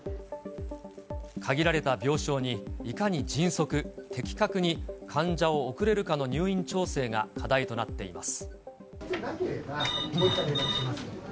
限られた病床に、いかに迅速、的確に患者を送れるかの入院調整が課題となっています。